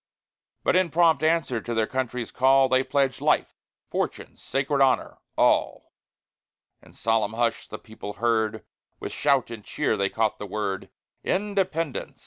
But in prompt answer to their country's call, They pledged life, fortune, sacred honor all! In solemn hush the people heard; With shout and cheer they caught the word: Independence!